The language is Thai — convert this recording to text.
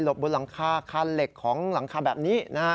หลบบนหลังคาคาเล็กหลังคาแบบนี้นะฮะ